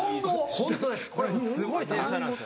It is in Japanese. ホントです